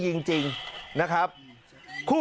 คนละม้วนผมบอกว่า